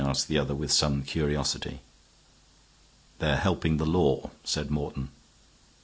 asked the other, with some curiosity. "They are helping the law," said Morton.